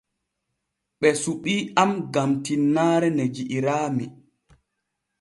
Ɓe suɓii am gam tinnaare ne ji'iraami.